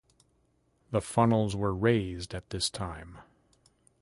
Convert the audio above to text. The funnels were raised at this time.